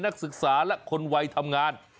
นักศึกษาและคนวัยทำงาน